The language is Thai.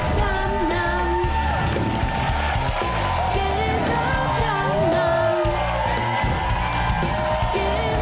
สวัสดีครับ